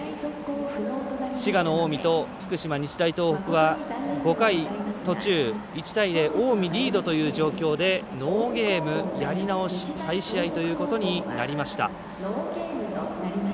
滋賀の近江と福島、日大東北は５回途中、１対０近江リードという状況でノーゲーム、やり直し再試合ということになりました。